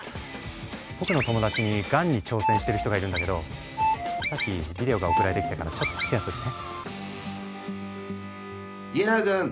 僕の友達にＧＡＮに挑戦してる人がいるんだけどさっきビデオが送られてきたからちょっとシェアするね。